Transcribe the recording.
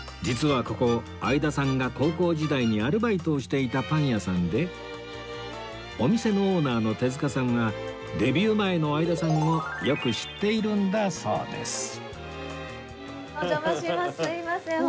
実はここ相田さんが高校時代にアルバイトをしていたパン屋さんでお店のオーナーの手塚さんはデビュー前の相田さんをよく知っているんだそうです